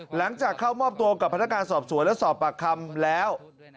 หลังจากเข้ามอบตัวกับพนักงานสอบสวนและสอบปากคำแล้ว